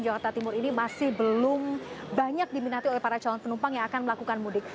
jakarta timur ini masih belum banyak diminati oleh para calon penumpang yang akan melakukan mudik